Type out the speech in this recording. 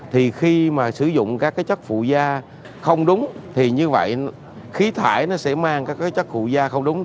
thì khi mà sử dụng các cái chất phụ da không đúng thì như vậy khí thải nó sẽ mang các chất cụ da không đúng